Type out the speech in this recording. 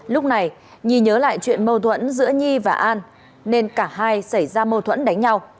lúc này nhi nhớ lại chuyện mâu thuẫn giữa nhi và an nên cả hai xảy ra mâu thuẫn đánh nhau